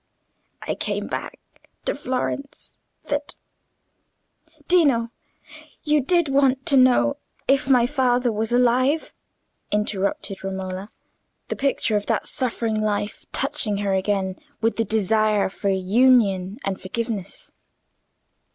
I came back to Florence that—" "Dino, you did want to know if my father was alive," interrupted Romola, the picture of that suffering life touching her again with the desire for union and forgiveness.